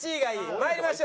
まいりましょう。